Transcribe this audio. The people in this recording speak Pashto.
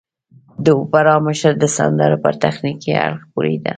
د اوپرا مشر د سندرو پر تخنيکي اړخ پوهېده.